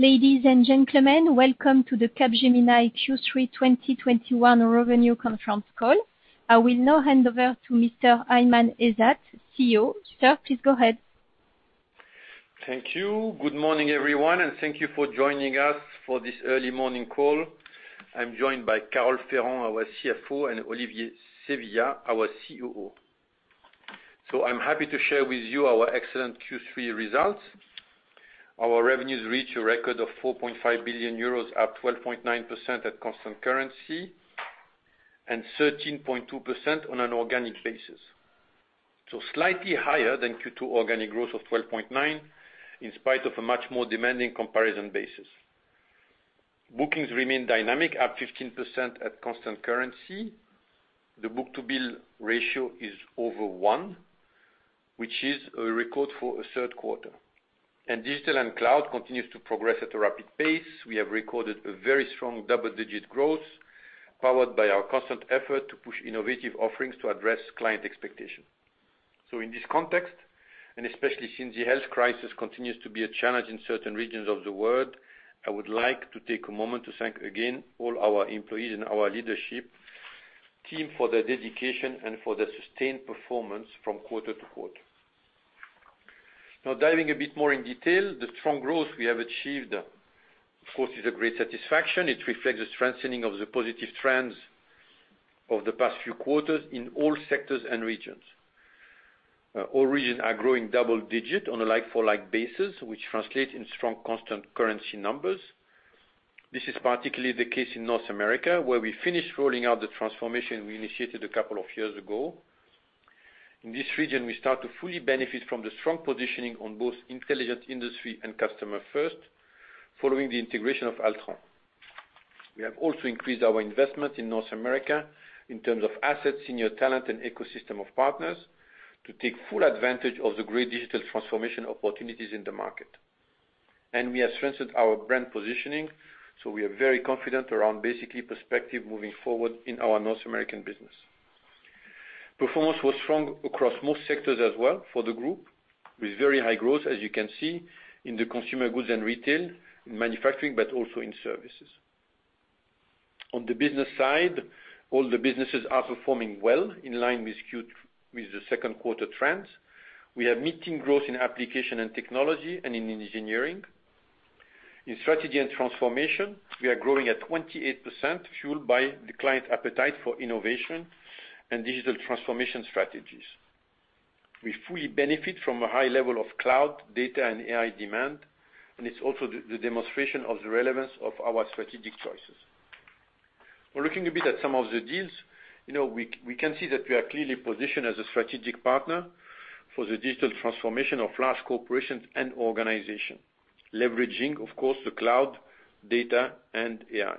Ladies and gentlemen, welcome to the Capgemini Q3 2021 Revenue Conference Call. I will now hand over to Mr. Aiman Ezzat, CEO. Sir, please go ahead. Thank you. Good morning, everyone, and thank you for joining us for this early morning call. I'm joined by Carole Ferrand, our CFO, and Olivier Sevillia, our COO. I'm happy to share with you our excellent Q3 results. Our revenues reach a record of 4.5 billion euros at 12.9% at constant currency and 13.2% on an organic basis, so slightly higher than Q2 organic growth of 12.9%, in spite of a much more demanding comparison basis. Bookings remain dynamic at 15% at constant currency. The book-to-bill ratio is over one, which is a record for a Q3. Digital and Cloud continues to progress at a rapid pace. We have recorded a very strong double-digit growth, powered by our constant effort to push innovative offerings to address client expectation. In this context, and especially since the health crisis continues to be a challenge in certain regions of the world, I would like to take a moment to thank again all our employees and our leadership team for their dedication and for their sustained performance from quarter-to-quarter. Now, diving a bit more in detail, the strong growth we have achieved, of course, is a great satisfaction. It reflects the strengthening of the positive trends of the past few quarters in all sectors and regions. All regions are growing double-digit on a like-for-like basis, which translates in strong constant currency numbers. This is particularly the case in North America, where we finished rolling out the transformation we initiated a couple of years ago. In this region, we start to fully benefit from the strong positioning on both Intelligent Industry and Customer First, following the integration of Altran. We have also increased our investment in North America in terms of assets, senior talent, and ecosystem of partners, to take full advantage of the great digital transformation opportunities in the market. We have strengthened our brand positioning, so we are very confident around the prospects moving forward in our North American business. Performance was strong across most sectors as well for the group, with very high growth, as you can see, in the consumer goods and retail, in manufacturing, but also in services. On the business side, all the businesses are performing well, in line with the Q2 trends. We are seeing growth in applications and technology and in engineering. In Strategy & Transformation, we are growing at 28%, fueled by the client appetite for innovation and digital transformation strategies. We fully benefit from a high level of cloud, data, and AI demand, and it's also the demonstration of the relevance of our strategic choices. We're looking a bit at some of the deals. You know, we can see that we are clearly positioned as a strategic partner for the digital transformation of large corporations and organizations, leveraging, of course, the cloud, data, and AI.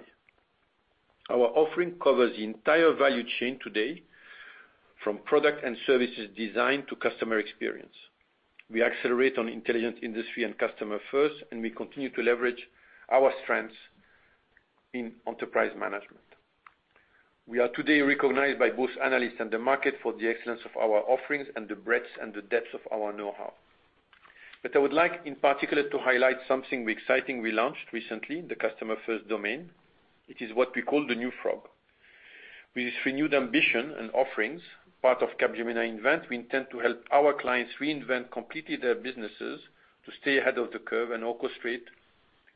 Our offering covers the entire value chain today, from product and services design to customer experience. We accelerate on Intelligent Industry and Customer First, and we continue to leverage our strengths in Enterprise Management. We are today recognized by both analysts and the market for the excellence of our offerings and the breadths and the depths of our know-how. I would like, in particular, to highlight something exciting we launched recently, the Customer First domain. It is what we call the new frog. With this renewed ambition and offerings, part of Capgemini Invent, we intend to help our clients reinvent completely their businesses to stay ahead of the curve and orchestrate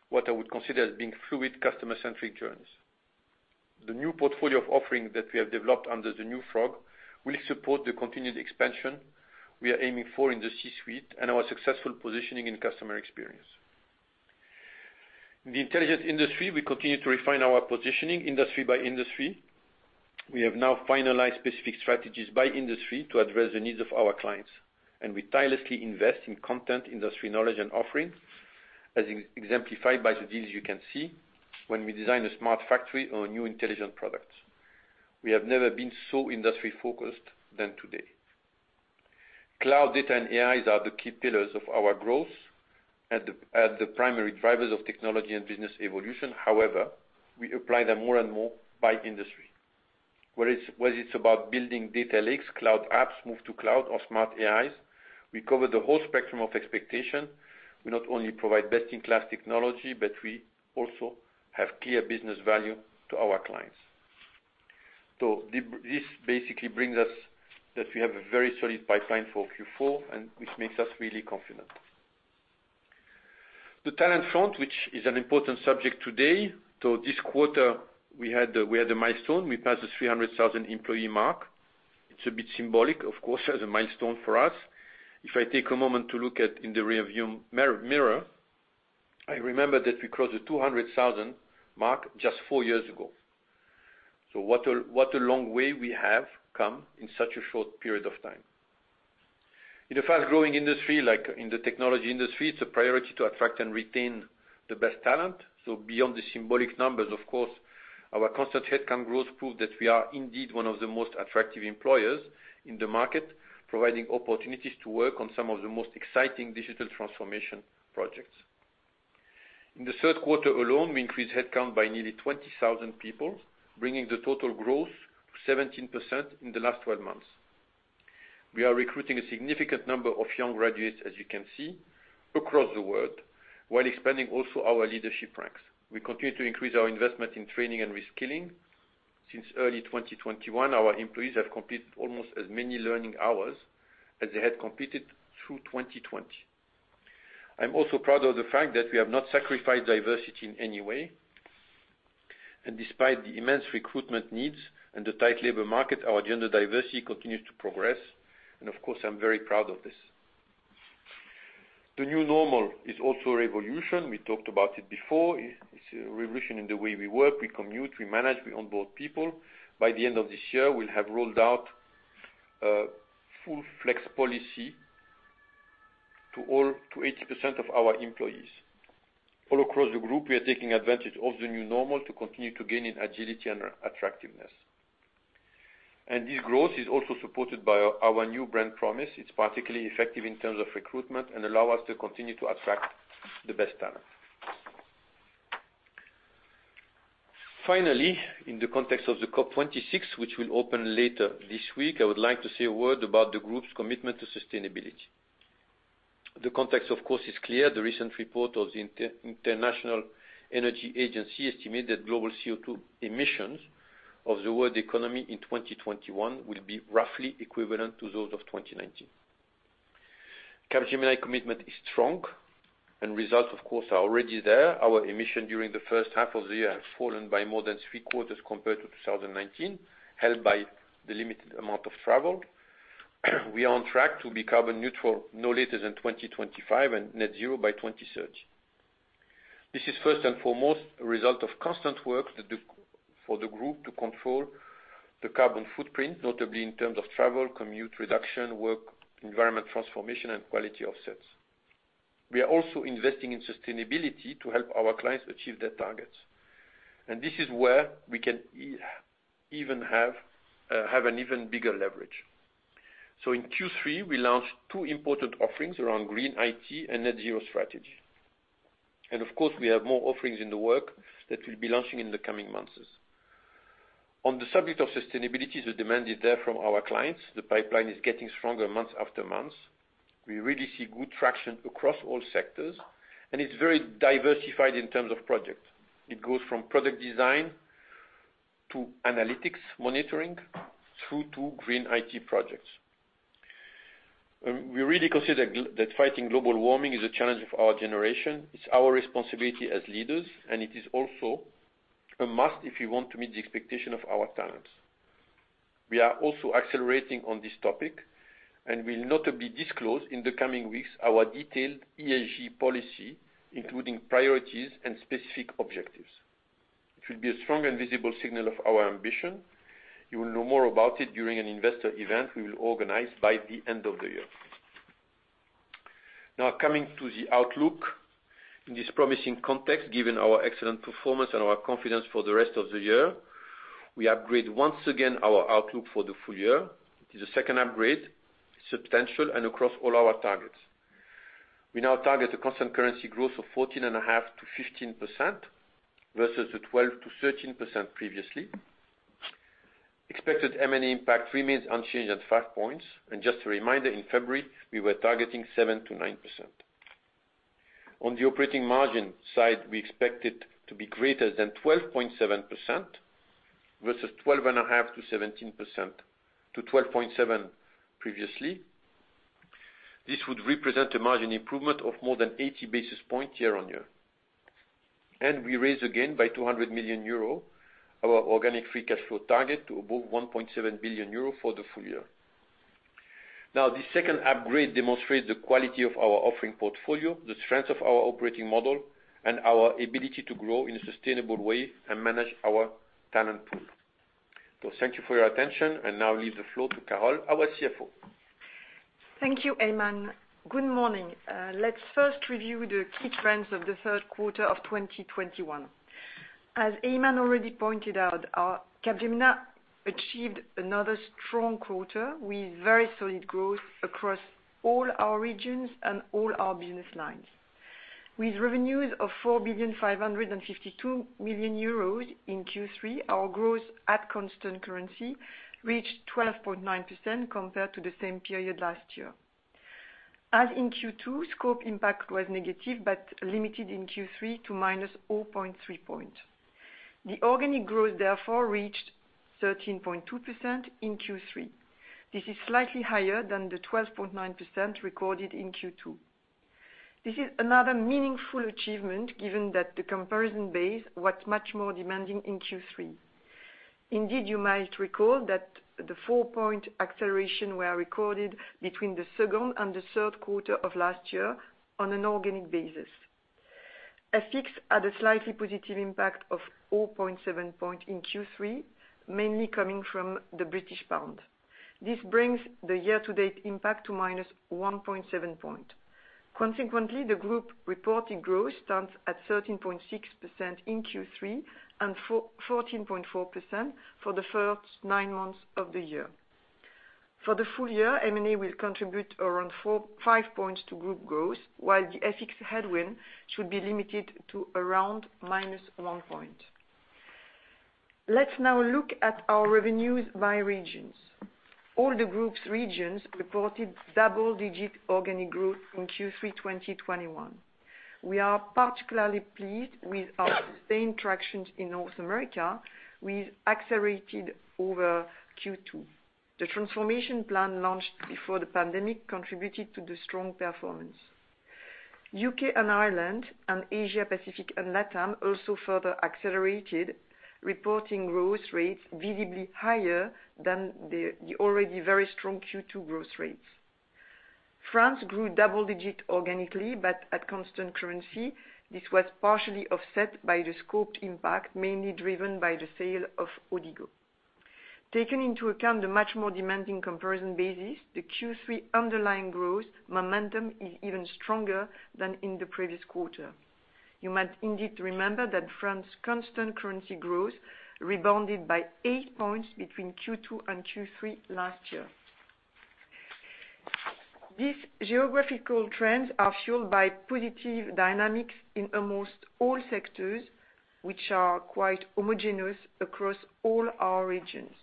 what I would consider as being fluid customer-centric journeys. The new portfolio of offering that we have developed under the new frog will support the continued expansion we are aiming for in the C-suite and our successful positioning in customer experience. In the Intelligent Industry, we continue to refine our positioning industry by industry. We have now finalized specific strategies by industry to address the needs of our clients, and we tirelessly invest in content, industry knowledge and offering, as exemplified by the deals you can see when we design a smart factory or new intelligent products. We have never been so industry-focused than today. Cloud data and AIs are the key pillars of our growth and the primary drivers of technology and business evolution. However, we apply them more and more by industry. Whether it's about building data lakes, cloud apps, move to cloud or smart AIs, we cover the whole spectrum of expectation. We not only provide best-in-class technology, but we also have clear business value to our clients. This basically brings us that we have a very solid pipeline for Q4, which makes us really confident. The talent front, which is an important subject today, this quarter we had a milestone. We passed the 300,000 employee mark. It's a bit symbolic, of course, as a milestone for us. If I take a moment to look back in the rearview mirror, I remember that we crossed the 200,000 mark just four years ago. What a long way we have come in such a short period of time. In a fast-growing industry like in the technology industry, it's a priority to attract and retain the best talent. Beyond the symbolic numbers, of course, our constant headcount growth proved that we are indeed one of the most attractive employers in the market, providing opportunities to work on some of the most exciting digital transformation projects. In the Q3 alone, we increased headcount by nearly 20,000 people, bringing the total growth to 17% in the last 12 months. We are recruiting a significant number of young graduates, as you can see, across the world, while expanding also our leadership ranks. We continue to increase our investment in training and reskilling. Since early 2021, our employees have completed almost as many learning hours as they had completed through 2020. I'm also proud of the fact that we have not sacrificed diversity in any way. Despite the immense recruitment needs and the tight labor market, our gender diversity continues to progress, and of course, I'm very proud of this. The new normal is also a revolution. We talked about it before. It's a revolution in the way we work, we commute, we manage, we onboard people. By the end of this year, we'll have rolled out full flex policy to 80% of our employees. All across the group, we are taking advantage of the new normal to continue to gain in agility and attractiveness. This growth is also supported by our new brand promise. It's particularly effective in terms of recruitment and allow us to continue to attract the best talent. Finally, in the context of the COP26, which will open later this week, I would like to say a word about the group's commitment to sustainability. The context, of course, is clear. The recent report of the International Energy Agency estimated global CO2 emissions of the world economy in 2021 will be roughly equivalent to those of 2019. Capgemini commitment is strong and results, of course, are already there. Our emission during the first half of the year has fallen by more than three-quarters compared to 2019, helped by the limited amount of travel. We are on track to be carbon neutral no later than 2025 and net zero by 2030. This is, 1st and foremost, a result of constant work the for the group to control the carbon footprint, notably in terms of travel, commute reduction, work environment transformation, and quality offsets. We are also investing in sustainability to help our clients achieve their targets. This is where we can even have an even bigger leverage. In Q3, we launched two important offerings around Green IT and net zero strategy. Of course, we have more offerings in the work that we'll be launching in the coming months. On the subject of sustainability, the demand is there from our clients. The pipeline is getting stronger month after month. We really see good traction across all sectors, and it's very diversified in terms of project. It goes from product design to analytics monitoring through to Green IT projects. We really consider that fighting global warming is a challenge of our generation. It's our responsibility as leaders, and it is also a must if you want to meet the expectation of our talents. We are also accelerating on this topic and will notably disclose in the coming weeks our detailed ESG policy, including priorities and specific objectives. It will be a strong and visible signal of our ambition. You will know more about it during an investor event we will organize by the end of the year. Now coming to the outlook. In this promising context, given our excellent performance and our confidence for the rest of the year, we upgrade once again our outlook for the full year. It is the second upgrade, substantial and across all our targets. We now target a constant currency growth of 14.5%-15% versus the 12%-13% previously. Expected M&A impact remains unchanged at five points. Just a reminder, in February, we were targeting 7%-9%. On the operating margin side, we expect it to be greater than 12.7% versus 12.5%-12.7% previously. This would represent a margin improvement of more than 80 basis points year-on-year. We raise again by 200 million euro our organic free cash flow target to above 1.7 billion euro for the full year. Now, this second upgrade demonstrates the quality of our offering portfolio, the strength of our operating model, and our ability to grow in a sustainable way and manage our talent pool. Thank you for your attention, and now I leave the floor to Carole, our CFO. Thank you, Aiman. Good morning. Let's first review the key trends of the Q3 of 2021. As Aiman already pointed out, Capgemini achieved another strong quarter with very solid growth across all our regions and all our business lines. With revenues of 4.552 billion in Q3, our growth at constant currency reached 12.9% compared to the same period last year. As in Q2, scope impact was negative, but limited in Q3 to -0.3%. The organic growth therefore reached 13.2% in Q3. This is slightly higher than the 12.9% recorded in Q2. This is another meaningful achievement, given that the comparison base was much more demanding in Q3. Indeed, you might recall that the four-point acceleration were recorded between the second and the Q3 of last year on an organic basis. FX had a slightly positive impact of 0.7 point in Q3, mainly coming from the British pound. This brings the year-to-date impact to -1.7 point. Consequently, the group reported growth stands at 13.6% in Q3 and 14.4% for the first nine months of the year. For the full year, M&A will contribute around four to five points to group growth, while the FX headwind should be limited to around -1 point. Let's now look at our revenues by regions. All the group's regions reported double-digit organic growth in Q3 2021. We are particularly pleased with our sustained traction in North America with acceleration over Q2. The transformation plan launched before the pandemic contributed to the strong performance. UK and Ireland and Asia Pacific and LATAM also further accelerated, reporting growth rates visibly higher than the already very strong Q2 growth rates. France grew double-digit organically, but at constant currency, this was partially offset by the scoped impact, mainly driven by the sale of Odigo. Taken into account the much more demanding comparison basis, the Q3 underlying growth momentum is even stronger than in the previous quarter. You might indeed remember that France constant currency growth rebounded by eight points between Q2 and Q3 last year. These geographical trends are fueled by positive dynamics in almost all sectors, which are quite homogeneous across all our regions.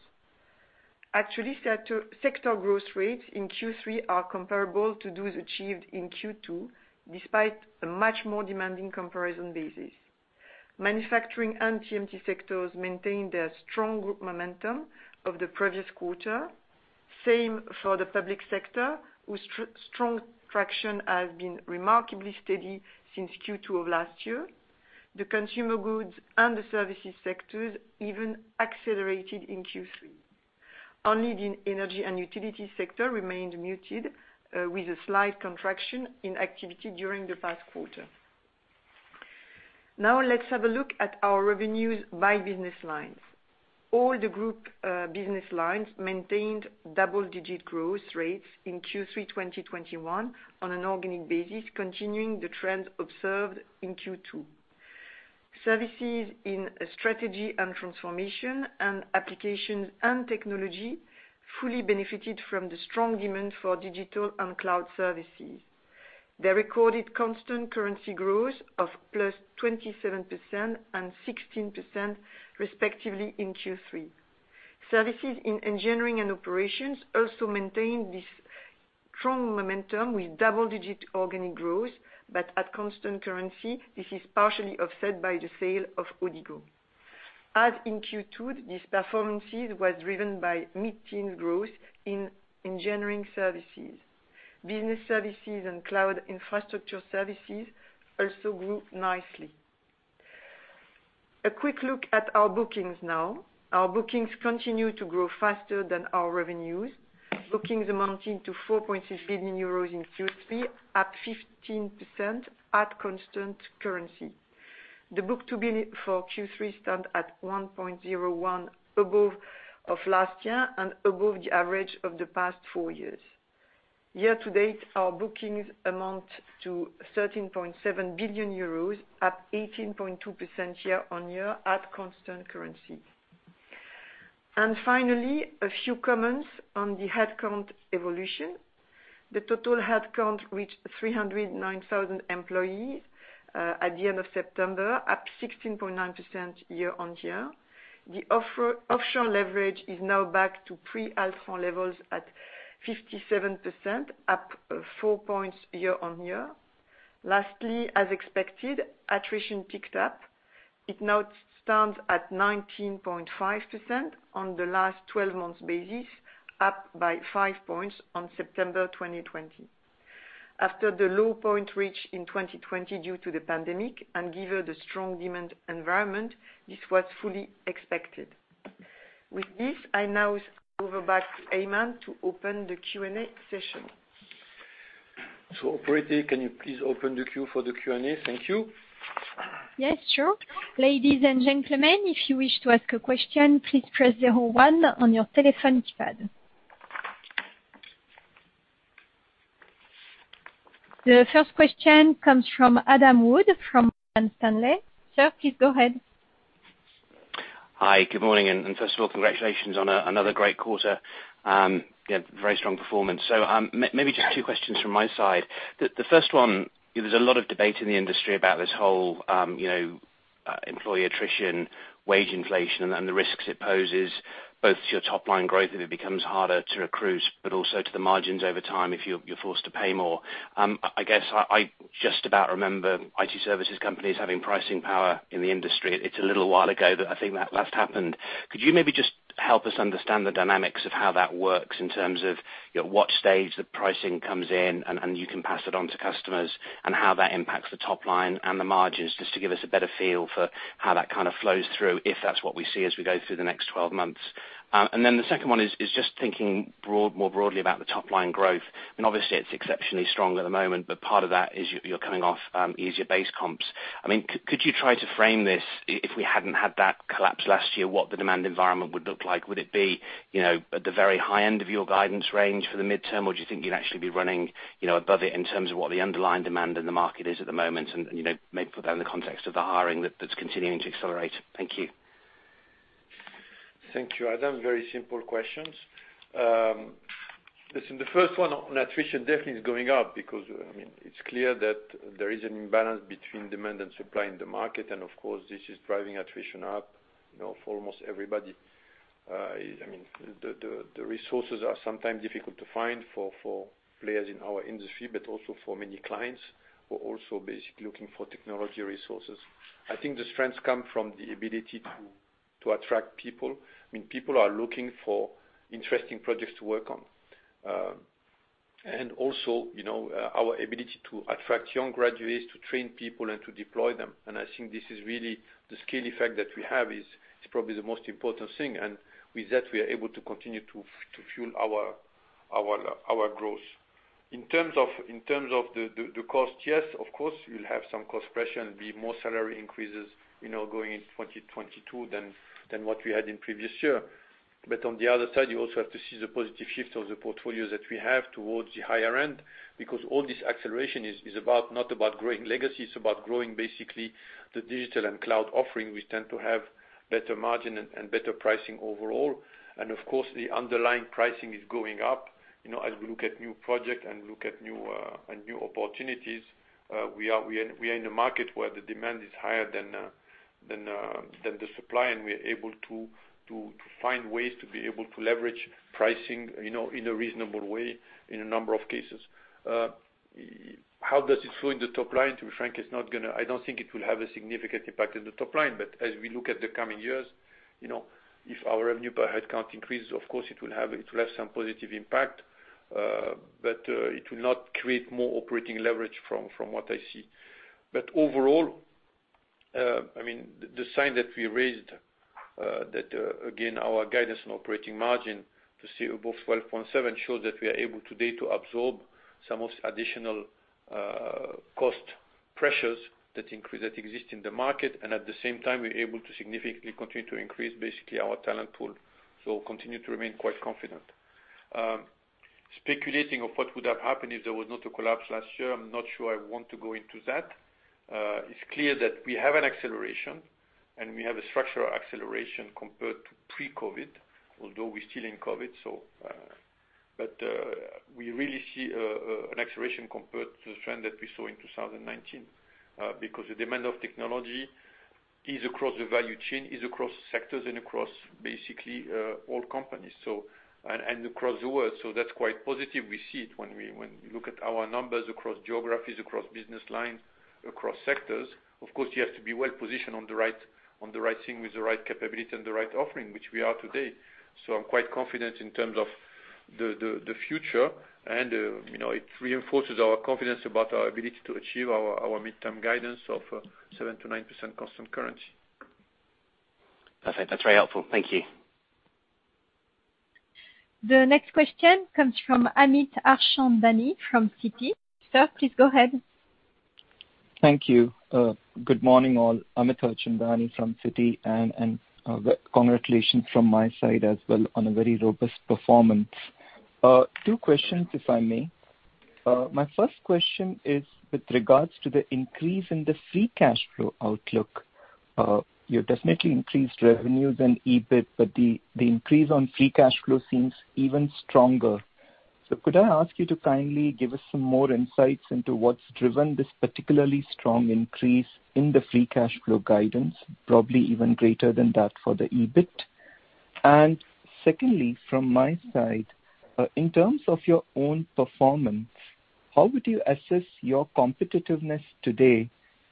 Actually, sector growth rates in Q3 are comparable to those achieved in Q2, despite a much more demanding comparison basis. Manufacturing and TMT sectors maintained their strong group momentum of the previous quarter. Same for the public sector, whose strong traction has been remarkably steady since Q2 of last year. The consumer goods and the services sectors even accelerated in Q3. Only the energy and utility sector remained muted, with a slight contraction in activity during the past quarter. Now let's have a look at our revenues by business lines. All the group business lines maintained double-digit growth rates in Q3 2021 on an organic basis, continuing the trend observed in Q2. Services in strategy and transformation and applications and technology fully benefited from the strong demand for digital and cloud services. They recorded constant currency growth of +27% and 16% respectively in Q3. Services in engineering and operations also maintained this strong momentum with double-digit organic growth, but at constant currency, this is partially offset by the sale of Odigo. As in Q2, this performance was driven by mid-teen growth in engineering services. Business services and cloud infrastructure services also grew nicely. A quick look at our bookings now. Our bookings continue to grow faster than our revenues, bookings amounting to 4.6 billion euros in Q3 at 15% at constant currency. The book-to-bill for Q3 stands at 1.01 above that of last year and above the average of the past four years. Year-to-date, our bookings amount to 13.7 billion euros at 18.2% year-on-year at constant currency. Finally, a few comments on the headcount evolution. The total headcount reached 309,000 employees at the end of September, up 16.9% year-on-year. The offshore leverage is now back to pre-Altran levels at 57%, up four points year-on-year. Lastly, as expected, attrition picked up. It now stands at 19.5% on the last twelve months basis, up by five points on September 2020. After the low point reached in 2020 due to the pandemic and given the strong demand environment, this was fully expected. With this, I now hand over back to Aiman to open the Q&A session. Operator, can you please open the queue for the Q&A? Thank you. Yes, sure. The 1st question comes from Adam Wood, from Morgan Stanley. Sir, please go ahead. Hi, good morning. 1st of all, congratulations on another great quarter. Yeah, very strong performance. Maybe just two questions from my side. The 1st one, there's a lot of debate in the industry about this whole employee attrition, wage inflation and the risks it poses, both to your top line growth if it becomes harder to recruit, but also to the margins over time if you're forced to pay more. I guess I just about remember IT services companies having pricing power in the industry. It's a little while ago that I think that last happened. Could you maybe just help us understand the dynamics of how that works in terms of, you know, what stage the pricing comes in and you can pass it on to customers and how that impacts the top line and the margins, just to give us a better feel for how that kind of flows through, if that's what we see as we go through the next 12 months. Then the 2nd one is just thinking more broadly about the top line growth. Obviously it's exceptionally strong at the moment, but part of that is you're coming off easier base comps. I mean, could you try to frame this if we hadn't had that collapse last year, what the demand environment would look like? Would it be, you know, at the very high end of your guidance range for the midterm? Do you think you'd actually be running, you know, above it in terms of what the underlying demand in the market is at the moment? You know, maybe put that in the context of the hiring that's continuing to accelerate. Thank you. Thank you, Adam. Very simple questions. Listen, the 1st one on attrition definitely is going up because, I mean, it's clear that there is an imbalance between demand and supply in the market. Of course, this is driving attrition up, you know, for almost everybody. I mean, the resources are sometimes difficult to find for players in our industry, but also for many clients who are also basically looking for technology resources. I think the strengths come from the ability to attract people. I mean, people are looking for interesting projects to work on. Also, you know, our ability to attract young graduates, to train people and to deploy them. I think this is really the scale effect that we have. It's probably the most important thing, and with that, we are able to continue to fuel our growth. In terms of the cost, yes, of course, we'll have some cost pressure and see more salary increases, you know, going into 2022 than what we had in previous year. On the other side, you also have to see the positive shift of the portfolios that we have towards the higher end, because all this acceleration is about, not about growing legacy, it's about growing basically the Digital and Cloud offering. We tend to have better margin and better pricing overall. Of course, the underlying pricing is going up. You know, as we look at new projects and new opportunities, we are in a market where the demand is higher than the supply, and we are able to find ways to leverage pricing, you know, in a reasonable way in a number of cases. How does it flow in the top line? To be frank, I don't think it will have a significant impact on the top line. As we look at the coming years, you know, if our revenue per headcount increases, of course it will have some positive impact. It will not create more operating leverage from what I see. Overall, I mean, the fact that we raised again our guidance on operating margin to be above 12.7% shows that we are able today to absorb some additional cost pressures that exist in the market. At the same time, we're able to significantly continue to increase basically our talent pool. Continue to remain quite confident. Speculating on what would have happened if there was not a collapse last year, I'm not sure I want to go into that. It's clear that we have an acceleration, and we have a structural acceleration compared to pre-COVID, although we're still in COVID. We really see an acceleration compared to the trend that we saw in 2019, because the demand for technology is across the value chain, across sectors and across basically all companies, and across the world. That's quite positive. We see it when we look at our numbers across geographies, across business lines, across sectors. Of course, you have to be well positioned on the right thing with the right capability and the right offering, which we are today. I'm quite confident in terms of the future and you know, it reinforces our confidence about our ability to achieve our midterm guidance of 7%-9% constant currency. Perfect. That's very helpful. Thank you. The next question comes from Amit Harchandani from Citi. Sir, please go ahead. Thank you. Good morning, all. Amit Harchandani from Citi. Congratulations from my side as well on a very robust performance. Two questions, if I may. My first question is with regards to the increase in the free cash flow outlook. You definitely increased revenues and EBIT, but the increase on free cash flow seems even stronger. Could I ask you to kindly give us some more insights into what's driven this particularly strong increase in the free cash flow guidance, probably even greater than that for the EBIT? Secondly, from my side, in terms of your own performance, how would you assess your competitiveness today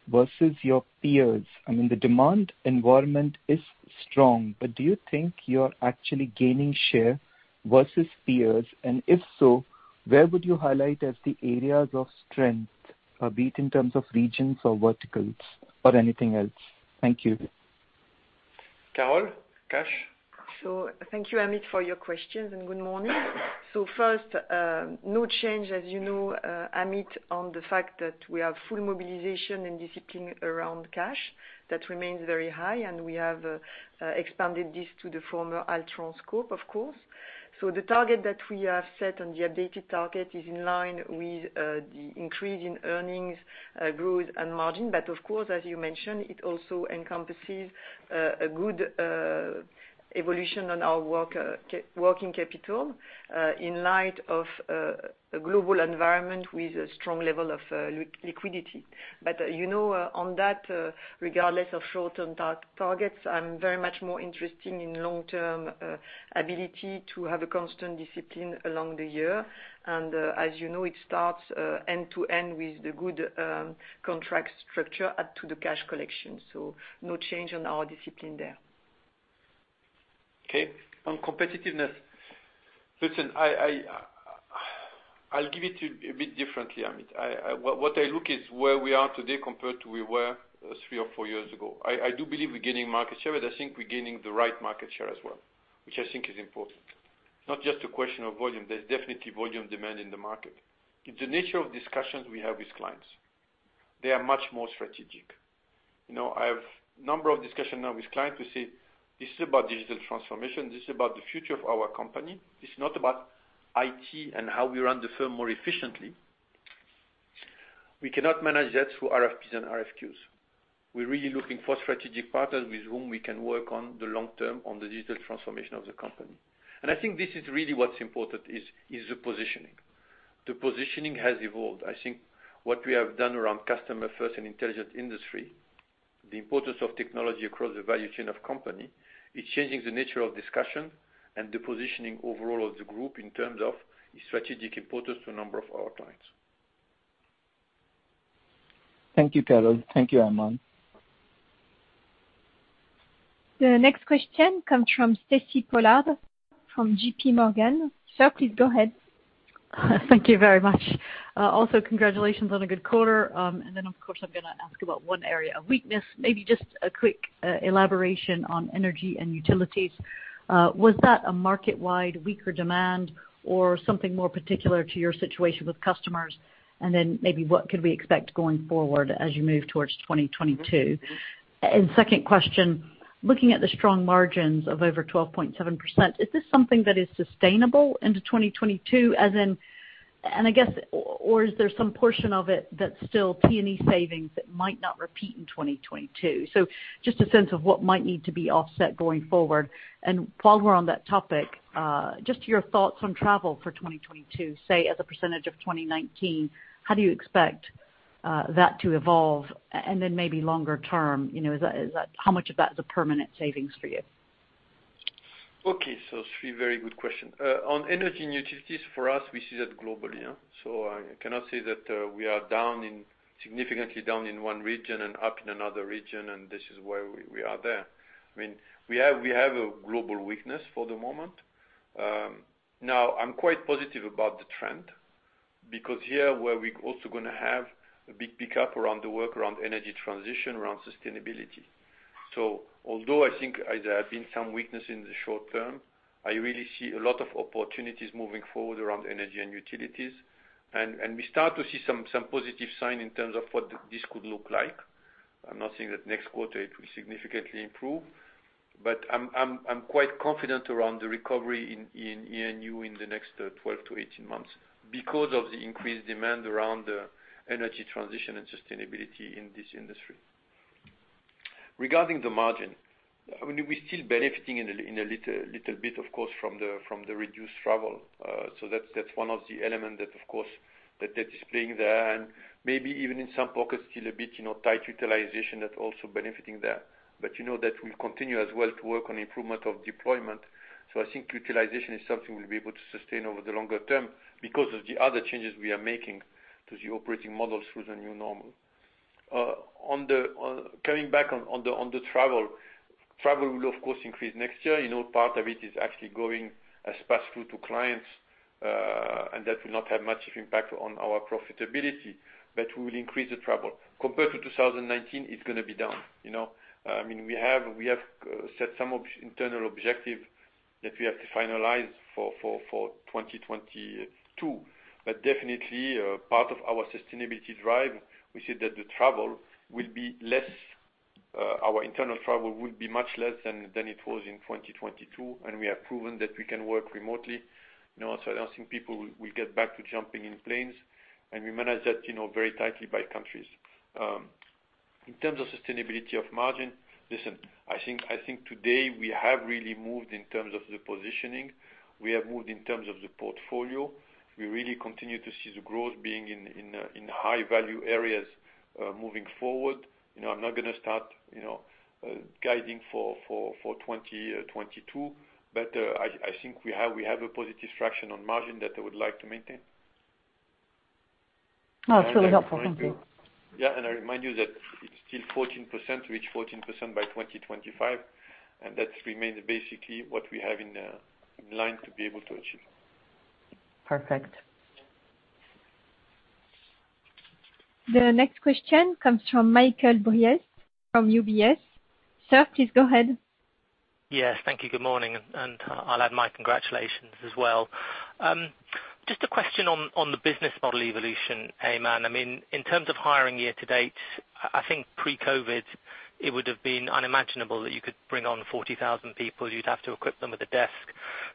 versus your peers? I mean, the demand environment is strong, but do you think you're actually gaining share versus peers? If so, where would you highlight as the areas of strength, be it in terms of regions or verticals or anything else? Thank you. Carole, cash. Thank you, Amit, for your questions, and good morning. 1st, no change, as you know, Amit, on the fact that we have full mobilization and discipline around cash. That remains very high, and we have expanded this to the former Altran scope, of course. The target that we have set and the updated target is in line with the increase in earnings growth and margin. But of course, as you mentioned, it also encompasses a good evolution on our working capital in light of a global environment with a strong level of liquidity. But you know, on that, regardless of short-term targets, I'm very much more interested in long-term ability to have a constant discipline along the year. As you know, it starts end-to-end with the good contract structure and to the cash collection. No change on our discipline there. Okay. On competitiveness, listen, I'll give it to you a bit differently, Amit. What I look at is where we are today compared to where we were three or four years ago. I do believe we're gaining market share, but I think we're gaining the right market share as well, which I think is important. It's not just a question of volume. There's definitely volume demand in the market. It's the nature of discussions we have with clients. They are much more strategic. You know, I have a number of discussions now with clients who say, This is about digital transformation. This is about the future of our company. This is not about IT and how we run the firm more efficiently. We cannot manage that through RFPs and RFQs. We're really looking for strategic partners with whom we can work on the long term on the digital transformation of the company. I think this is really what's important is the positioning. The positioning has evolved. I think what we have done around Customer First and Intelligent Industry, the importance of technology across the value chain of company is changing the nature of discussion and the positioning overall of the group in terms of the strategic importance to a number of our clients. Thank you, Carole. Thank you, Aiman. The next question comes from Stacy Pollard from J.P. Morgan. Sir, please go ahead. Thank you very much. Also congratulations on a good quarter. Then, of course, I'm gonna ask about one area of weakness, maybe just a quick elaboration on energy and utilities. Was that a market-wide weaker demand or something more particular to your situation with customers? Then maybe what could we expect going forward as you move towards 2022? 2nd question, looking at the strong margins of over 12.7%, is this something that is sustainable into 2022, I guess, or is there some portion of it that's still P&E savings that might not repeat in 2022? Just a sense of what might need to be offset going forward. While we're on that topic, just your thoughts on travel for 2022, say, as a percentage of 2019, how do you expect that to evolve and then maybe longer term, you know, is that how much of that is a permanent savings for you? Okay. Three very good question. On energy and utilities for us, we see that globally. I cannot say that, we are down in, significantly down in one region and up in another region, and this is why we are there. I mean, we have a global weakness for the moment. Now I'm quite positive about the trend because here where we're also gonna have a big pickup around the work around energy transition, around sustainability. Although I think there have been some weakness in the short term, I really see a lot of opportunities moving forward around energy and utilities. We start to see some positive sign in terms of what this could look like. I'm not saying that next quarter it will significantly improve, but I'm quite confident around the recovery in E&U in the next 12-18 months because of the increased demand around the energy transition and sustainability in this industry. Regarding the margin, I mean, we're still benefiting in a little bit of course from the reduced travel. So that's one of the elements that of course is playing there. Maybe even in some pockets, still a bit, you know, tight utilization that's also benefiting there. You know that we'll continue as well to work on improvement of deployment. I think utilization is something we'll be able to sustain over the longer term because of the other changes we are making to the operating models through the new normal. Coming back on the travel. Travel will of course increase next year. You know, part of it is actually going as pass through to clients, and that will not have much of impact on our profitability, but we will increase the travel. Compared to 2019, it's gonna be down. You know, I mean, we have set some internal objective that we have to finalize for 2022. Definitely, part of our sustainability drive, we see that the travel will be less, our internal travel will be much less than it was in 2022, and we have proven that we can work remotely. You know, so I don't think people will get back to jumping in planes, and we manage that, you know, very tightly by countries. In terms of sustainability of margin, listen, I think today we have really moved in terms of the positioning. We have moved in terms of the portfolio. We really continue to see the growth being in high value areas moving forward. You know, I'm not gonna start, you know, guiding for 2022, but I think we have a positive traction on margin that I would like to maintain. That's really helpful. Thank you. Yeah. I remind you that it's still 14%, to reach 14% by 2025, and that remains basically what we have in line to be able to achieve. Perfect. The next question comes from Michael Briest from UBS. Sir, please go ahead. Yes, thank you. Good morning, and I'll add my congratulations as well. Just a question on the business model evolution, Aiman. I mean, in terms of hiring year to date, I think pre-COVID, it would've been unimaginable that you could bring on 40,000 people. You'd have to equip them with a desk.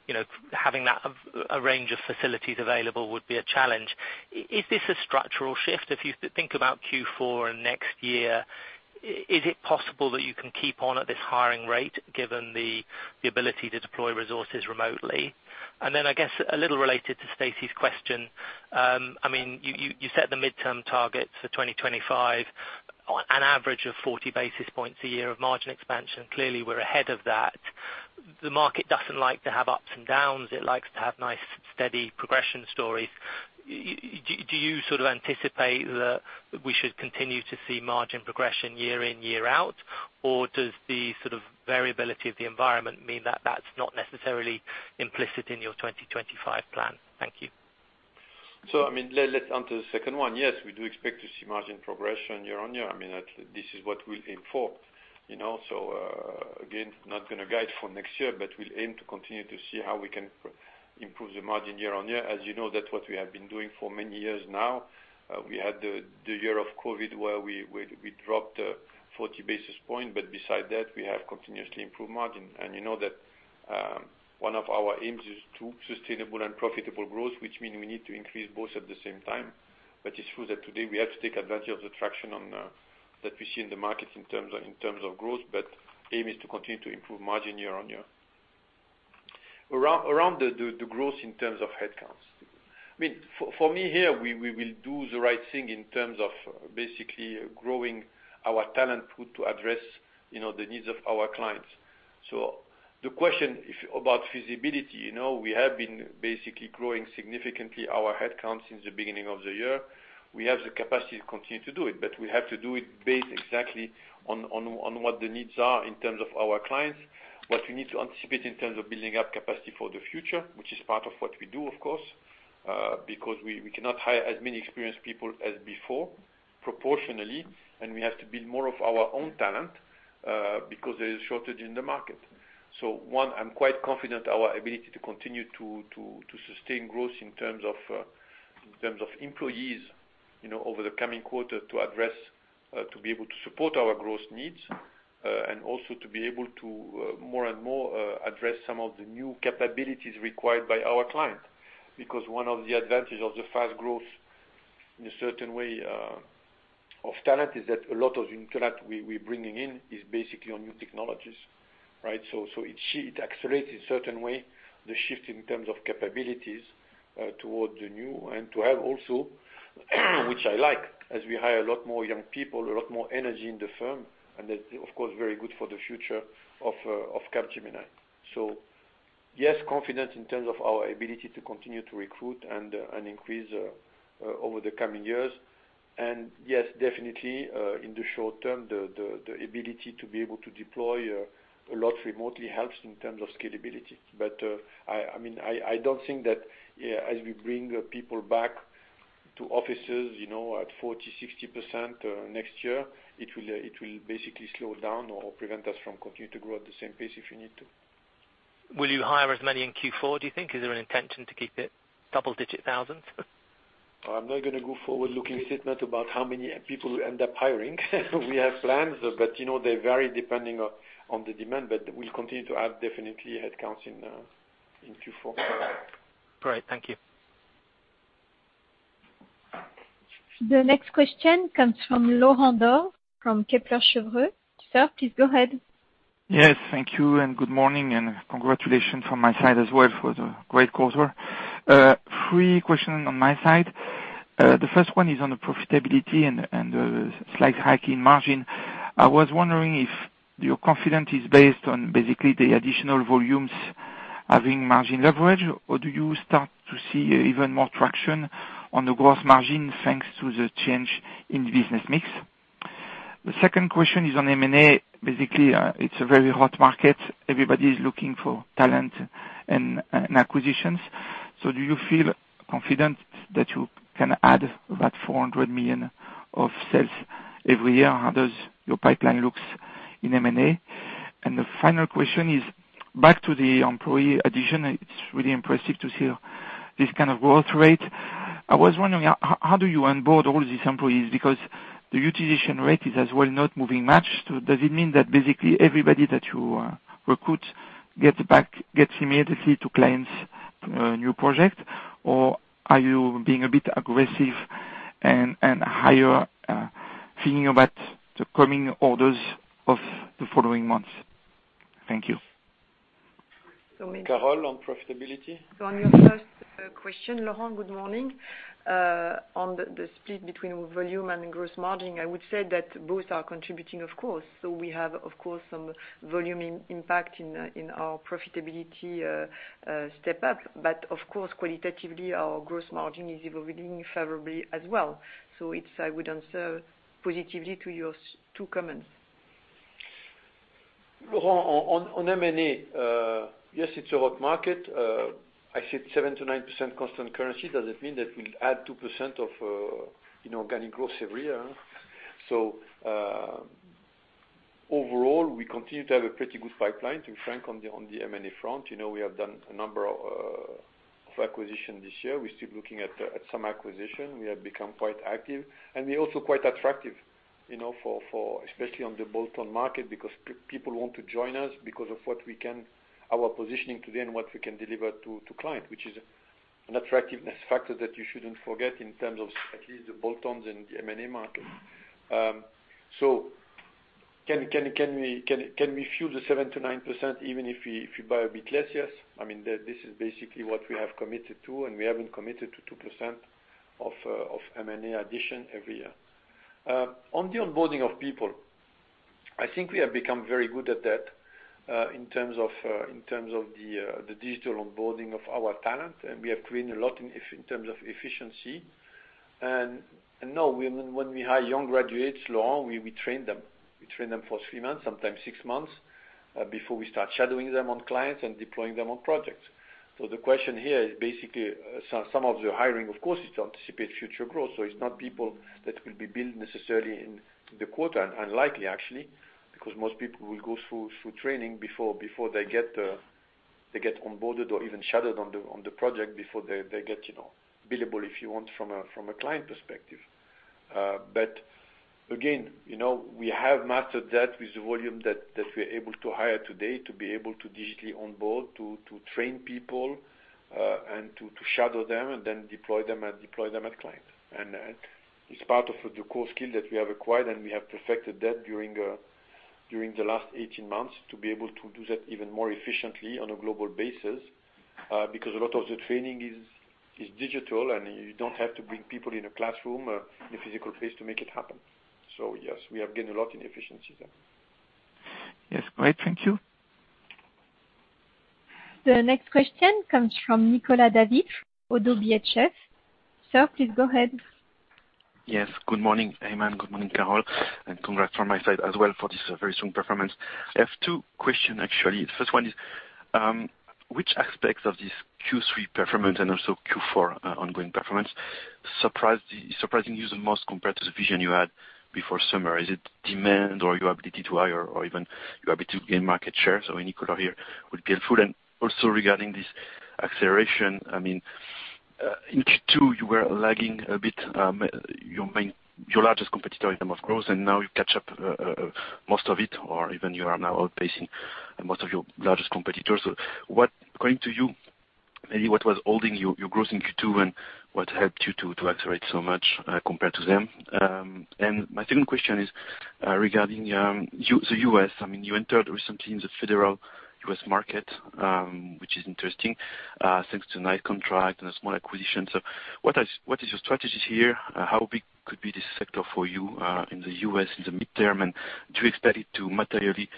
You know, having that, a range of facilities available would be a challenge. Is this a structural shift? If you think about Q4 and next year, is it possible that you can keep on at this hiring rate given the ability to deploy resources remotely? Then I guess a little related to Stacy's question, I mean, you set the midterm target for 2025 on an average of 40 basis points a year of margin expansion. Clearly, we're ahead of that. The market doesn't like to have ups and downs. It likes to have nice steady progression stories. Do you sort of anticipate that we should continue to see margin progression year in, year out? Or does the sort of variability of the environment mean that that's not necessarily implicit in your 2025 plan? Thank you. I mean, let's onto the second one. Yes, we do expect to see margin progression year-over-year. I mean, this is what we'll aim for, you know. Again, not gonna guide for next year, but we'll aim to continue to see how we can improve the margin year-over-year. As you know, that's what we have been doing for many years now. We had the year of COVID where we dropped 40 basis points, but besides that, we have continuously improved margin. You know that one of our aims is sustainable and profitable growth, which means we need to increase both at the same time. It's true that today we have to take advantage of the traction on that we see in the markets in terms of growth, but aim is to continue to improve margin year on year. Around the growth in terms of headcounts. I mean, for me here, we will do the right thing in terms of basically growing our talent pool to address, you know, the needs of our clients. The question about feasibility, you know, we have been basically growing significantly our headcounts since the beginning of the year. We have the capacity to continue to do it, but we have to do it based exactly on what the needs are in terms of our clients. What we need to anticipate in terms of building up capacity for the future, which is part of what we do, of course, because we cannot hire as many experienced people as before proportionally, and we have to build more of our own talent, because there is shortage in the market. I'm quite confident our ability to continue to sustain growth in terms of employees, you know, over the coming quarter to be able to support our growth needs, and also to be able to more and more address some of the new capabilities required by our clients. Because one of the advantages of the fast growth, in a certain way, of talent, is that a lot of the talent we're bringing in is basically on new technologies, right? It accelerates in a certain way the shift in terms of capabilities towards the new and to have also, which I like, as we hire a lot more young people, a lot more energy in the firm, and that's of course very good for the future of Capgemini. Yes, confident in terms of our ability to continue to recruit and increase over the coming years. Yes, definitely, in the short term, the ability to be able to deploy a lot remotely helps in terms of scalability. I mean, I don't think that, as we bring people back to offices, you know, at 40%-60% next year, it will basically slow down or prevent us from continuing to grow at the same pace if we need to. Will you hire as many in Q4, do you think? Is there an intention to keep it double-digit thousands? I'm not gonna go forward-looking statement about how many people we end up hiring. We have plans, but you know, they vary depending on the demand, but we'll continue to add definitely headcounts in Q4. Great. Thank you. The next question comes from Laurent Daure from Kepler Cheuvreux. Sir, please go ahead. Yes, thank you and good morning and congratulations from my side as well for the great quarter. Three questions on my side. The first one is on the profitability and slight hike in margin. I was wondering if your confidence is based on basically the additional volumes having margin leverage, or do you start to see even more traction on the growth margin, thanks to the change in the business mix? The second question is on M&A. Basically, it's a very hot market. Everybody is looking for talent and acquisitions. Do you feel confident that you can add that 400 million of sales every year? How does your pipeline looks in M&A? The final question is back to the employee addition. It's really impressive to see this kind of growth rate. I was wondering how do you onboard all these employees? Because the utilization rate is as well not moving much. Does it mean that basically everybody that you recruit gets immediately to clients' new project, or are you being a bit aggressive and hire thinking about the coming orders of the following months? Thank you. Carole, on profitability. On your first question, Laurent, good morning. On the split between volume and gross margin, I would say that both are contributing, of course. We have, of course, some volume impact in our profitability step up. But of course, qualitatively, our gross margin is evolving favorably as well. It's, I would answer positively to your two comments. Laurent, on M&A, yes, it's a hot market. I said 7%-9% constant currency. Does it mean that we'll add 2% of, you know, organic growth every year? Overall, we continue to have a pretty good pipeline, to be frank, on the M&A front. You know, we have done a number of acquisition this year. We're still looking at some acquisition. We have become quite active, and we're also quite attractive, you know, for especially on the bolt-on market, because people want to join us because of what we can. Our positioning today and what we can deliver to client, which is an attractiveness factor that you shouldn't forget in terms of at least the bolt-ons and the M&A market. So can we fuel the 7%-9% even if we buy a bit less? Yes. I mean, this is basically what we have committed to, and we haven't committed to 2% of M&A addition every year. On the onboarding of people, I think we have become very good at that, in terms of the digital onboarding of our talent, and we have gained a lot in terms of efficiency. No, when we hire young graduates, Laurent, we train them for three months, sometimes six months, before we start shadowing them on clients and deploying them on projects. The question here is basically some of the hiring, of course, is to anticipate future growth. It's not people that will be billed necessarily in the quarter. Unlikely, actually, because most people will go through training before they get onboarded or even shadowed on the project before they get, you know, billable, if you want, from a client perspective. Again, you know, we have mastered that with the volume that we're able to hire today, to be able to digitally onboard, to train people, and to shadow them and then deploy them at clients. It's part of the core skill that we have acquired, and we have perfected that during the last 18 months to be able to do that even more efficiently on a global basis. Because a lot of the training is digital, and you don't have to bring people in a classroom or in a physical place to make it happen. Yes, we have gained a lot in efficiency there. Yes. Great. Thank you. The next question comes from Nicolas David, Oddo BHF. Sir, please go ahead. Yes. Good morning, Aiman, good morning, Carole, and congrats from my side as well for this very strong performance. I have two question actually. The 1st one is, which aspects of this Q3 performance and also Q4 ongoing performance surprising you the most compared to the vision you had before summer? Is it demand or your ability to hire or even your ability to gain market share? So any color here would be helpful. Also regarding this acceleration, I mean, in Q2, you were lagging a bit, your largest competitor in terms of growth, and now you've caught up most of it or even you are now outpacing most of your largest competitors. What according to you, maybe what was holding your growth in Q2, and what helped you to accelerate so much, compared to them? My 2nd question is, regarding US, I mean, you entered recently in the federal US market, which is interesting, thanks to a new contract and a small acquisition. What is your strategy here? How big could be this sector for you, in the US in the midterm, and do you expect it to materially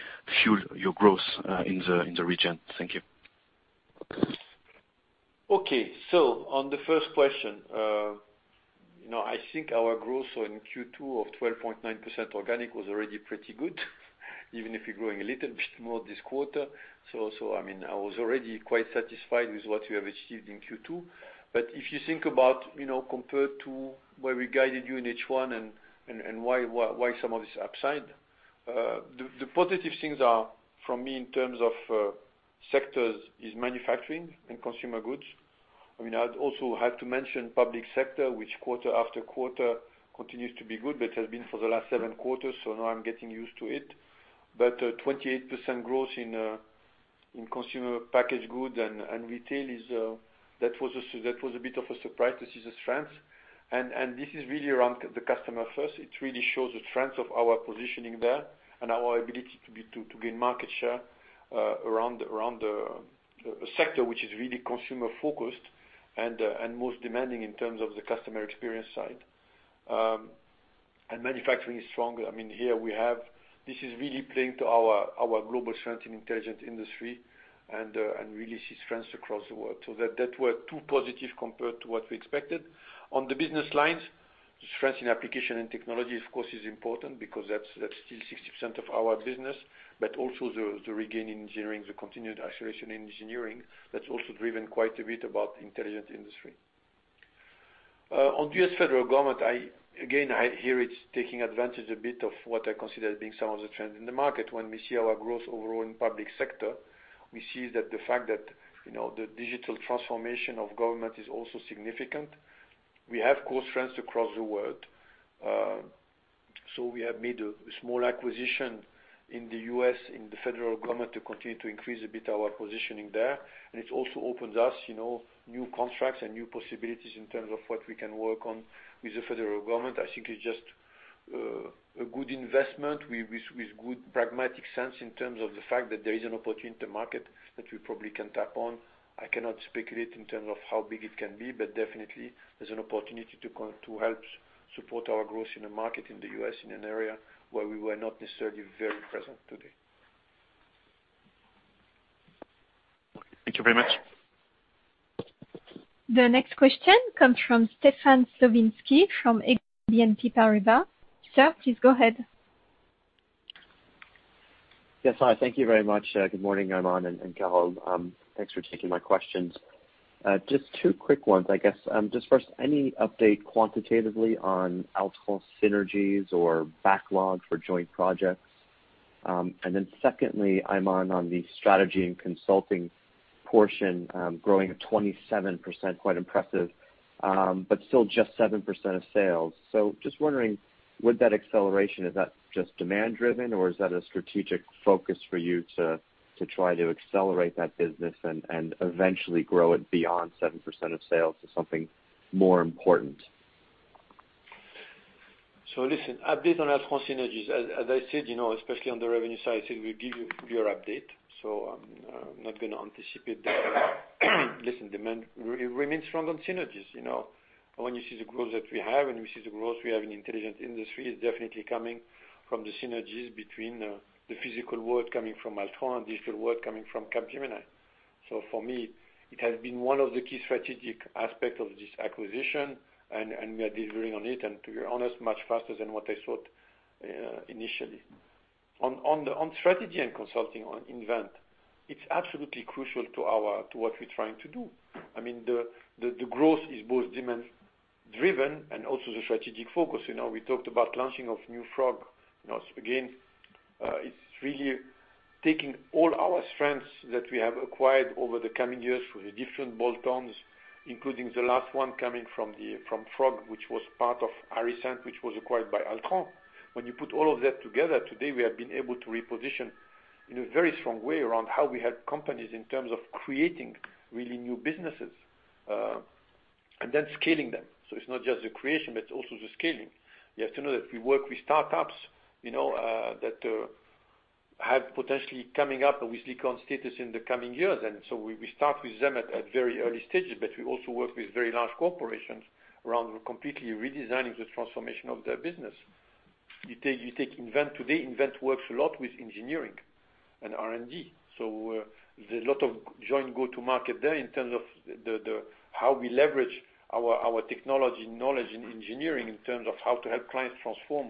fuel your growth, in the region? Thank you. Okay. On the 1st question, you know, I think our growth in Q2 of 12.9% organic was already pretty good, even if you're growing a little bit more this quarter. I mean, I was already quite satisfied with what we have achieved in Q2. If you think about, you know, compared to where we guided you in H1 and why some of this upside, the positive things are from me in terms of sectors is manufacturing and consumer goods. I mean, I'd also have to mention public sector, which quarter after quarter continues to be good, but has been for the last seven quarters, so now I'm getting used to it. 28% growth in consumer packaged goods and retail was a bit of a surprise to see the strength. This is really around the Customer First. It really shows the strength of our positioning there and our ability to gain market share around a sector which is really consumer focused and most demanding in terms of the customer experience side. Manufacturing is stronger. I mean, here we have. This is really playing to our global strength in Intelligent Industry and really sees strengths across the world. That were two positive compared to what we expected. On the business lines, the strength in applications and technology of course is important because that's still 60% of our business. Also the regain in engineering, the continued acceleration in engineering, that's also driven quite a bit about Intelligent Industry. On US federal government, I again hear it's taking advantage a bit of what I consider being some of the trends in the market. When we see our growth overall in public sector, we see that the fact that, you know, the digital transformation of government is also significant. We have core strengths across the world. We have made a small acquisition in the US in the federal government to continue to increase a bit our positioning there. It also opens us, you know, new contracts and new possibilities in terms of what we can work on with the federal government. I think it's just a good investment with good pragmatic sense in terms of the fact that there is an opportunity in the market that we probably can tap on. I cannot speculate in terms of how big it can be, but definitely there's an opportunity to help support our growth in the market in the US in an area where we were not necessarily very present today. Thank you very much. The next question comes from Stefan Slowinski from Exane BNP Paribas. Sir, please go ahead. Yes. Hi. Thank you very much. Good morning, Aiman and Carole. Thanks for taking my questions. Just two quick ones, I guess. Just 1st, any update quantitatively on Altran synergies or backlog for joint projects? Then secondly, Aiman, on the strategy and consulting portion, growing at 27%, quite impressive, but still just 7% of sales. Just wondering, would that acceleration, is that just demand driven, or is that a strategic focus for you to try to accelerate that business and eventually grow it beyond 7% of sales to something more important? Listen, update on Altran synergies. As I said, you know, especially on the revenue side, I said we'll give you your update, so I'm not gonna anticipate that. Listen, demand remains strong on synergies, you know. When you see the growth that we have, and we see the growth we have in Intelligent Industry, it's definitely coming from the synergies between the physical world coming from Altran, digital world coming from Capgemini. For me, it has been one of the key strategic aspect of this acquisition, and we are delivering on it, and to be honest, much faster than what I thought initially. On strategy and consulting on Invent, it's absolutely crucial to what we're trying to do. I mean, the growth is both demand driven and also the strategic focus. You know, we talked about launching of new frog. You know, again, it's really taking all our strengths that we have acquired over the coming years through the different bolt-ons, including the last one coming from Frog, which was part of Aricent, which was acquired by Altran. When you put all of that together, today we have been able to reposition in a very strong way around how we help companies in terms of creating really new businesses, and then scaling them. It's not just the creation, but it's also the scaling. You have to know that we work with startups, you know, that have potentially coming up with Silicon status in the coming years, and we start with them at very early stages, but we also work with very large corporations around completely redesigning the transformation of their business. You take Invent. Today, Invent works a lot with engineering and R&D. There's a lot of joint go-to-market there in terms of how we leverage our technology knowledge in engineering in terms of how to help clients transform.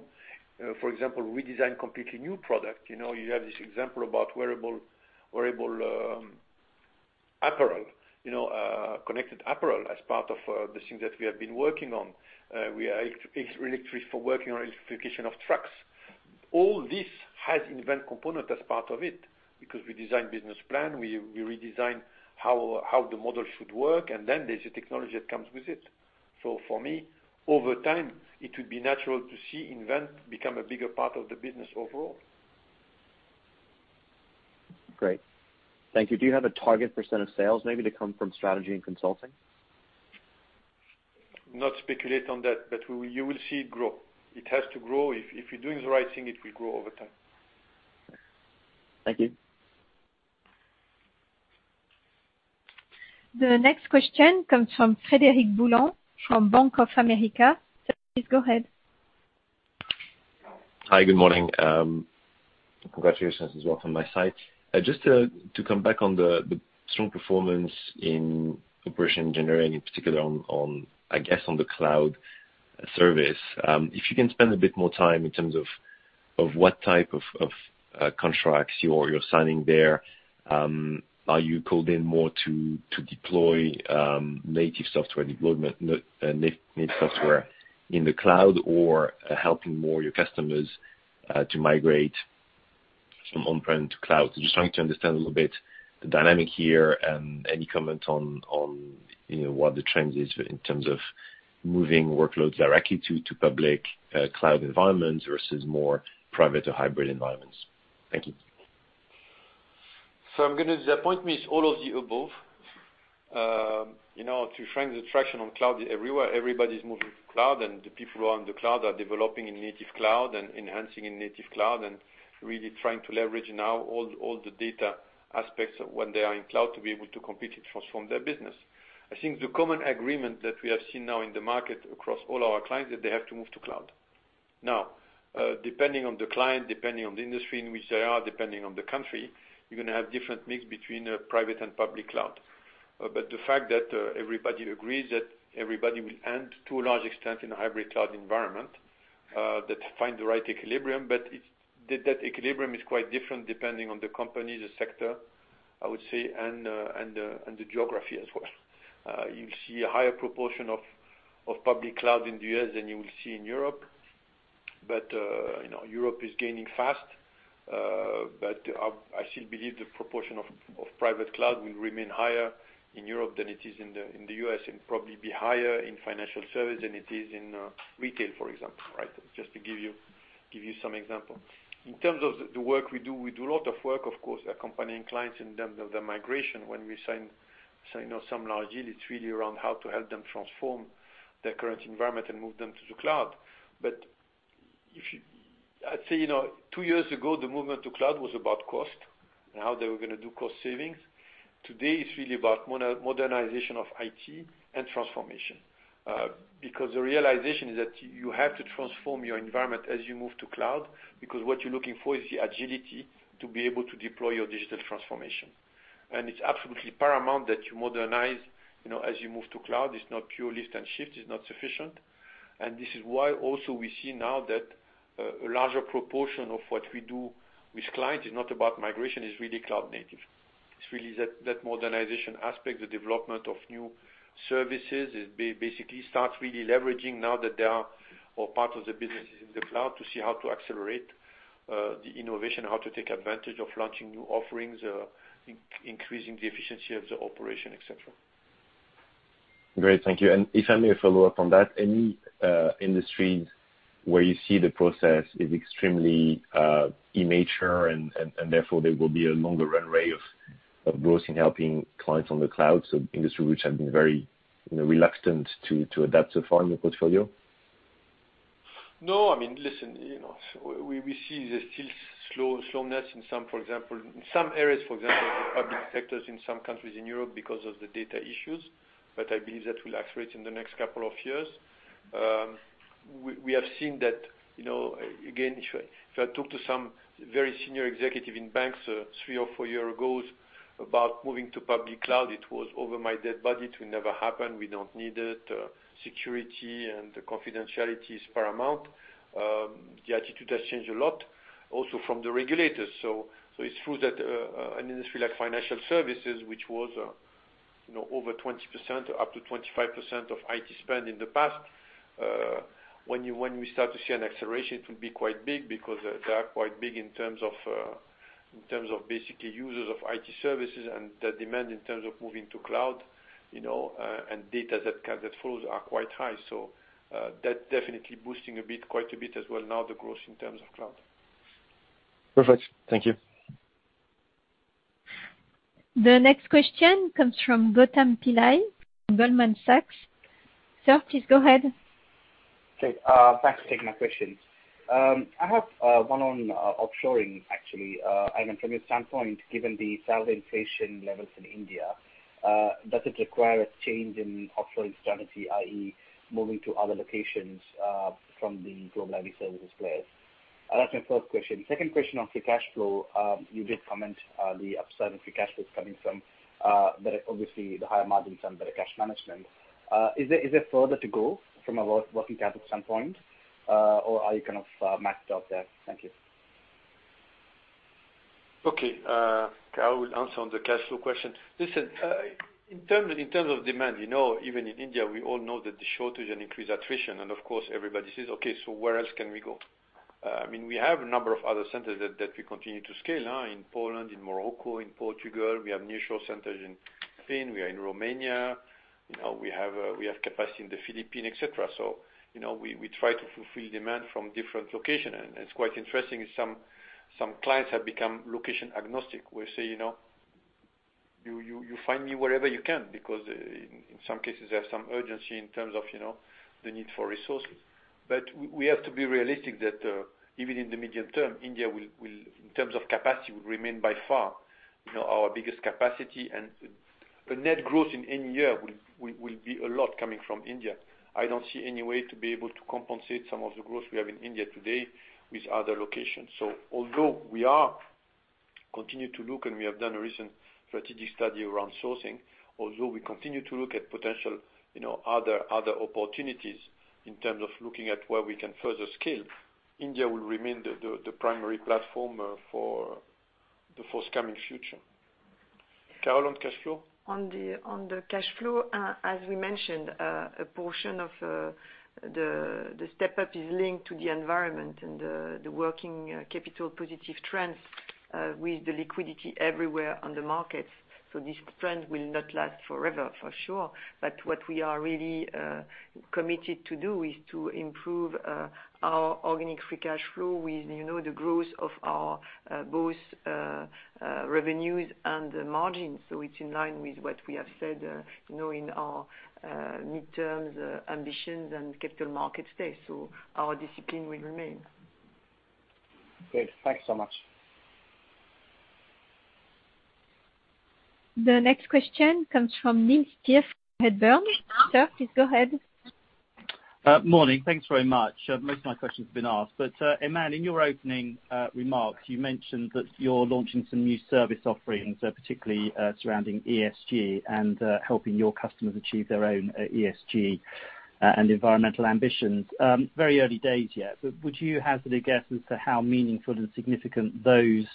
For example, redesign completely new product. You know, you have this example about wearable apparel, you know, connected apparel as part of the things that we have been working on. We are working on electrification of trucks. All this has Invent component as part of it because we design business plan, we redesign how the model should work, and then there's the technology that comes with it. For me, over time, it would be natural to see Invent become a bigger part of the business overall. Great. Thank you. Do you have a target % of sales maybe to come from strategy and consulting? not speculate on that, but you will see it grow. It has to grow. If you're doing the right thing, it will grow over time. Thank you. The next question comes from Frederic Boulan from Bank of America. Please go ahead. Hi, good morning. Congratulations as well from my side. Just to come back on the strong performance in Operations & Engineering, in particular on, I guess, the cloud services, if you can spend a bit more time in terms of what type of contracts you're signing there. Are you called in more to deploy native software in the cloud or helping more your customers to migrate from on-prem to cloud? Just trying to understand a little bit the dynamic here and any comment on, you know, what the trend is in terms of moving workloads directly to public cloud environments versus more private or hybrid environments. Thank you. I'm gonna disappoint with all of the above. You know, to find the traction on cloud everywhere, everybody's moving to cloud, and the people who are on the cloud are developing in native cloud and enhancing in native cloud and really trying to leverage now all the data aspects of when they are in cloud to be able to compete and transform their business. I think the common agreement that we have seen now in the market across all our clients, that they have to move to cloud. Now, depending on the client, depending on the industry in which they are, depending on the country, you're gonna have different mix between a private and public cloud. The fact that everybody agrees that everybody will end up to a large extent in a hybrid cloud environment, that equilibrium is quite different depending on the company, the sector, I would say, and the geography as well. You'll see a higher proportion of public cloud in the US than you will see in Europe. You know, Europe is gaining fast. I still believe the proportion of private cloud will remain higher in Europe than it is in the US and probably be higher in financial services than it is in retail, for example, right? Just to give you some example. In terms of the work we do, we do a lot of work, of course, accompanying clients in terms of the migration when we sign, you know, some large deal. It's really around how to help them transform their current environment and move them to the cloud. I'd say, you know, two years ago, the movement to cloud was about cost and how they were gonna do cost savings. Today, it's really about modernization of IT and transformation. Because the realization is that you have to transform your environment as you move to cloud because what you're looking for is the agility to be able to deploy your digital transformation. It's absolutely paramount that you modernize, you know, as you move to cloud. It's not pure lift and shift. It's not sufficient. This is why also we see now that a larger proportion of what we do with clients is not about migration, it's really cloud native. It's really that modernization aspect, the development of new services. It basically starts really leveraging now that they are or part of the business is in the cloud to see how to accelerate the innovation, how to take advantage of launching new offerings, increasing the efficiency of the operation, et cetera. Great. Thank you. If I may follow up on that, any industries where you see the process is extremely immature and therefore there will be a longer run rate of growth in helping clients on the cloud? Industry which have been very, you know, reluctant to adapt so far in the portfolio. No, I mean, listen, you know, we see there's still slowness in some, for example, in some areas, for example, public sectors in some countries in Europe because of the data issues, but I believe that will accelerate in the next couple of years. We have seen that, you know, again, if I talk to some very senior executive in banks, three or four years ago about moving to public cloud, it was over my dead body. It will never happen. We don't need it. Security and the confidentiality is paramount. The attitude has changed a lot also from the regulators. It's true that an industry like financial services, which was, you know, over 20% up to 25% of IT spend in the past, when we start to see an acceleration, it will be quite big because they are quite big in terms of basically users of IT services and the demand in terms of moving to cloud, you know, and data that flows are quite high. That definitely boosting a bit, quite a bit as well now the growth in terms of cloud. Perfect. Thank you. The next question comes from Gautam Pillai, Goldman Sachs. Sir, please go ahead. Okay, thanks for taking my question. I have one on offshoring actually. I know from your standpoint, given the salary inflation levels in India, does it require a change in offshoring strategy, i.e., moving to other locations from the global value services players? That's my first question. 2nd question on free cash flow. You did comment the upside in free cash flow is coming from obviously the higher margins and better cash management. Is there further to go from a working capital standpoint, or are you kind of maxed out there? Thank you. Okay. Carole will answer on the cash flow question. Listen, in terms of demand, you know, even in India, we all know that the shortage and increased attrition and of course everybody says, Okay, so where else can we go? I mean, we have a number of other centers that we continue to scale in Poland, in Morocco, in Portugal. We have nearshore centers in Spain. We are in Romania. You know, we have capacity in the Philippines, etc. So, you know, we try to fulfill demand from different locations. It's quite interesting. Some clients have become location agnostic. They will say, you know, You find me wherever you can, because in some cases there is some urgency in terms of, you know, the need for resources. We have to be realistic that even in the medium term, India will, in terms of capacity, remain by far, you know, our biggest capacity and the net growth in India will be a lot coming from India. I don't see any way to be able to compensate some of the growth we have in India today with other locations. We have done a recent strategic study around sourcing. Although we continue to look at potential, you know, other opportunities in terms of looking at where we can further scale, India will remain the primary platform for the forthcoming future. Carole, on cash flow? On the cash flow, as we mentioned, a portion of the step-up is linked to the environment and the working capital positive trends, with the liquidity everywhere on the markets. This trend will not last forever, for sure. What we are really committed to do is to improve our organic free cash flow with, you know, the growth of our both revenues and margins. It's in line with what we have said, you know, in our mid-term ambitions and Capital Markets Day. Our discipline will remain. Great. Thanks so much. The next question comes from Charles Brennan at Jefferies. Sir, please go ahead. Morning. Thanks very much. Most of my questions have been asked, but, Aiman, in your opening remarks, you mentioned that you're launching some new service offerings, particularly, surrounding ESG and helping your customers achieve their own ESG and environmental ambitions. Very early days yet. Would you hazard a guess as to how meaningful and significant those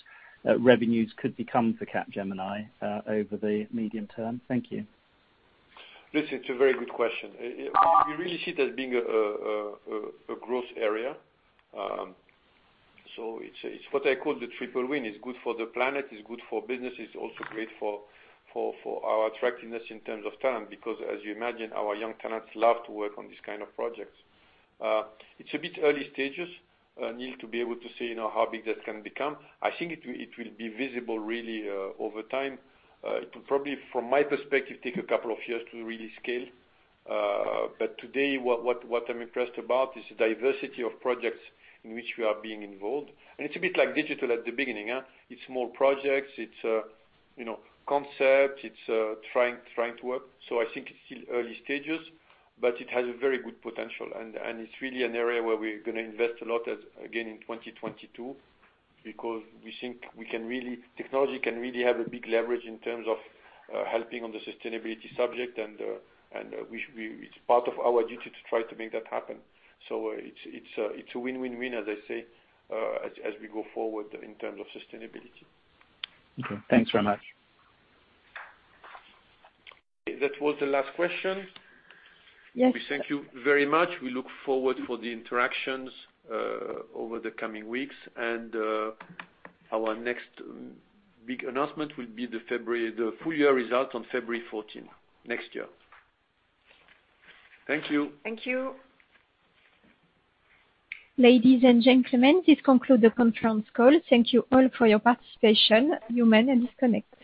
revenues could become for Capgemini over the medium term? Thank you. Listen, it's a very good question. We really see it as being a growth area. So it's what I call the triple win. It's good for the planet, it's good for business, it's also great for our attractiveness in terms of talent, because as you imagine, our young talents love to work on these kind of projects. It's a bit early stages, Neil, to be able to say, you know, how big that can become. I think it will be visible really over time. It will probably, from my perspective, take a couple of years to really scale. But today, what I'm impressed about is the diversity of projects in which we are being involved. It's a bit like digital at the beginning, huh? It's more projects. It's you know concepts. It's trying to work. I think it's still early stages, but it has a very good potential. It's really an area where we're gonna invest a lot as again in 2022, because we think technology can really have a big leverage in terms of helping on the sustainability subject. It's part of our duty to try to make that happen. It's a win-win-win, as I say, as we go forward in terms of sustainability. Okay. Thanks very much. That was the last question. Yes. We thank you very much. We look forward for the interactions over the coming weeks. Our next big announcement will be the full year results on February 14th, next year. Thank you. Thank you. Ladies and gentlemen, this concludes the conference call. Thank you all for your participation. You may disconnect.